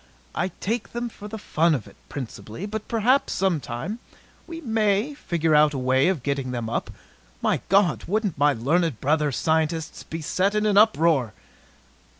"I take them for the fun of it, principally. But perhaps, sometime, we may figure out a way of getting them up. My God! Wouldn't my learned brother scientists be set in an uproar!"